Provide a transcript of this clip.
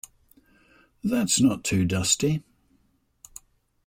That's not too dusty.